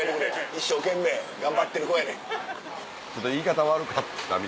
一生懸命頑張ってる子やねん。